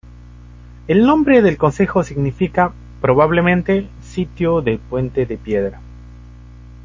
El nombre del concejo significa probablemente "sitio del puente de piedra".